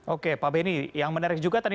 oke pak beni yang menarik juga tadi